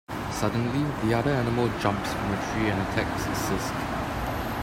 Suddenly, the other "animal" jumps from a tree and attacks sisk.